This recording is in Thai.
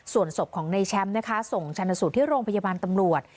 ส่วนศพของในแชมป์ส่งชันสุทธิ์ที่โรงพยาบาลตำรวจ